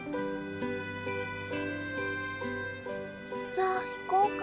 じゃあ行こうか。